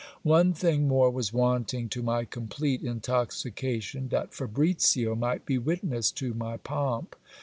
One thing more was wanting to my complete intoxication, that Fabricio might be witness to my pomp.